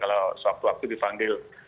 kalau suatu waktu dipanggil